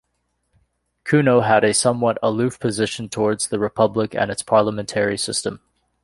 Cuno had a somewhat aloof position towards the republic and its parliamentary system.